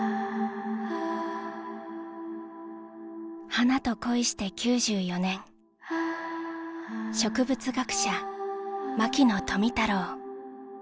花と恋して９４年植物学者牧野富太郎